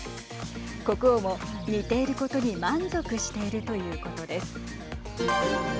国王も似ていることに満足しているということです。